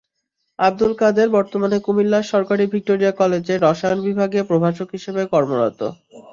আবদুল কাদের বর্তমানে কুমিল্লার সরকারি ভিক্টোরিয়া কলেজের রসায়ন বিভাগে প্রভাষক হিসেবে কর্মরত।